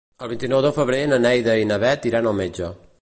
El vint-i-nou de febrer na Neida i na Bet iran al metge.